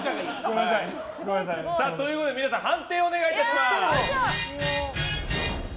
ということで皆さん判定をお願いいたします。